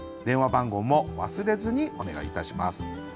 電話番号も忘れずにお願いいたします。